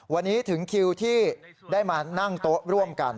วันนี้ถึงคิวที่ได้มานั่งโต๊ะร่วมกัน